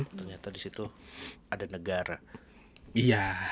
ternyata disitu ada negara